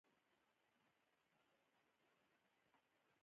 ډېری خلک فکر کوي چې غوږ ایښودنه دې ته وایي